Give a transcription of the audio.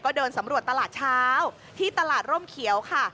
ก็เดินสำรวจตลาดเช้าที่ตลาดร่มเขียวค่ะ